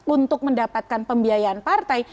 untuk mendapatkan pembiayaan partai